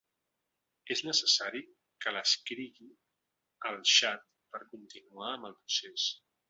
És necessari que l'escrigui al xat per continuar amb el procès.